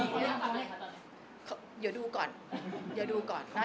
พี่แม้ตอนเห็นกับพี่อั้ม